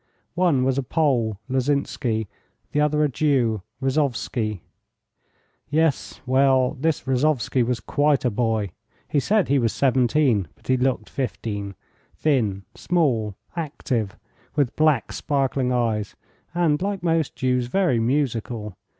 One was a Pole, Lozinsky; the other a Jew, Rozovsky. Yes. Well, this Rozovsky was quite a boy. He said he was seventeen, but he looked fifteen thin, small, active, with black, sparkling eyes, and, like most Jews, very musical.